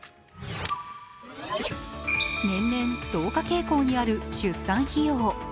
年々、増加傾向にある出産費用。